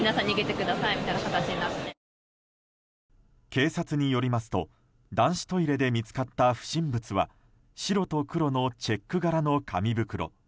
警察によりますと男子トイレで見つかった不審物は白と黒のチェック柄の紙袋。